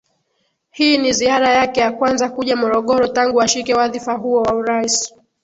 Hii ni ziara yake ya kwanza kuja Morogoro tangu ashike wadhifa huo wa Urais